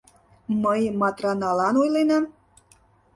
— Мый Матраналан ойленам?